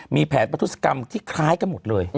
มีแผนประทุศกรรมที่คล้ายกันหมดเลย